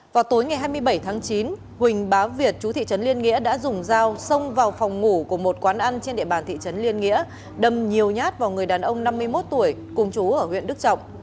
vào tối ngày hai mươi bảy tháng chín huỳnh bá việt chú thị trấn liên nghĩa đã dùng dao xông vào phòng ngủ của một quán ăn trên địa bàn thị trấn liên nghĩa đâm nhiều nhát vào người đàn ông năm mươi một tuổi cùng chú ở huyện đức trọng